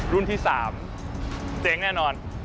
รุ่นที่๓เจ๊งแน่นอน